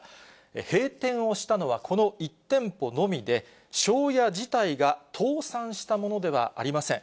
閉店をしたのはこの１店舗のみで、庄屋自体が倒産したものではありません。